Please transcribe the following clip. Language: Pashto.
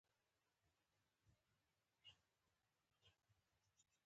» خپل اصلي ځان « پیژندل یو ډیر مشکل